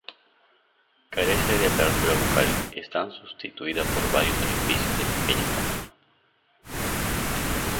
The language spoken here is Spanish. Carece de abertura bucal, estando sustituida por varios orificios de pequeño tamaño.